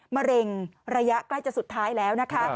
มะเร็งระยะใกล้จะสุดท้ายแล้วนะคะ